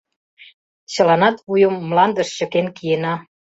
Чыланат вуйым мландыш чыкен киена.